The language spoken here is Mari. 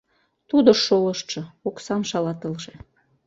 — Тудо шолыштшо, оксам шалатылше.